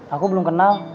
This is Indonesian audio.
aku belum kenal